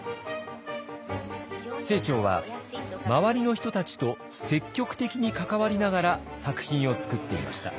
清張は周りの人たちと積極的に関わりながら作品を作っていました。